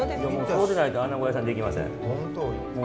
そうでないとアナゴ屋さんできません。